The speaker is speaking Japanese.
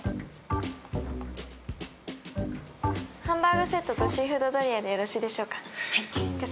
ハンバーグセットとシーフードドリアでよろしいでしょうか？